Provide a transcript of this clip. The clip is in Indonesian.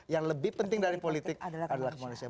yang lebih penting dari politik adalah kemanusiaan